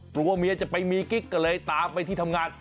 กลัวเมียจะไปมีกิ๊กก็เลยตามไปที่ทำงาน